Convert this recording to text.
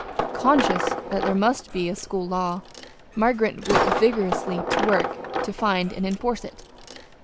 Conscious that there must be a school law, Margaret went vigorously to work to find and enforce it.